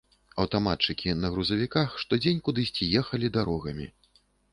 Аўтаматчыкі на грузавіках штодзень кудысьці ехалі дарогамі.